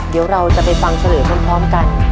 เดี๋ยวเราจะไปฟังเฉลยพร้อมกัน